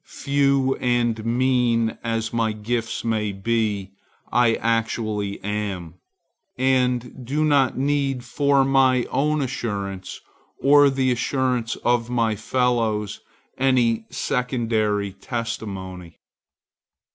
Few and mean as my gifts may be, I actually am, and do not need for my own assurance or the assurance of my fellows any secondary testimony.